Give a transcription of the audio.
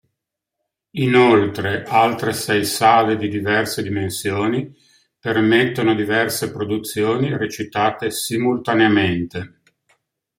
Inoltre altri sei sale di diverse dimensioni permettono diverse produzioni recitate simultaneamente.